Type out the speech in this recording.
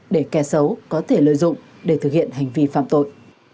để kẻ xấu có thể lợi dụng để thực hiện hành vi phạm tội